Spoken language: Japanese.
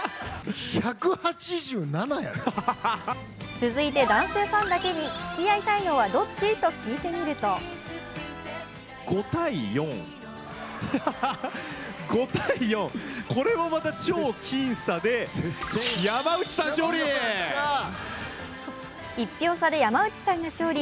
続いて男性ファンだけにつきあいたいのはどっちと聞いてみると１票差で山内さんが勝利。